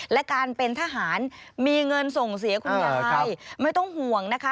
และการเป็นทหารมีเงินส่งเสียคุณยายไม่ต้องห่วงนะคะ